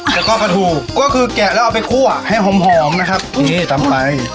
แล้วก็ปลาทูก็คือแกะแล้วเอาไปคั่วให้หอมหอมนะครับนี่ตำไป